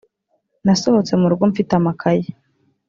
nasohotse mu rugo mfite amakaye